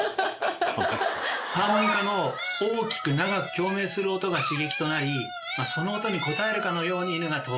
ハーモニカの大きく長く共鳴する音が刺激となりその音に応えるかのように犬が遠吠えしていますね。